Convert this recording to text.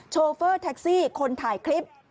โฟเฟอร์แท็กซี่คนถ่ายคลิป